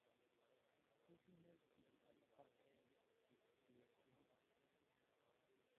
Es uno de los principales pabellones deportivos cubiertos de la capital.